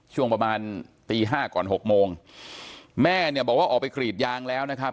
ช่วงประมาณตี๕ก่อน๖โมงแม่บอกว่าออกไปกรีดยางแล้ว